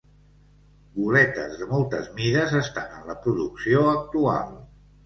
Goletes de moltes mides estan en la producció actual.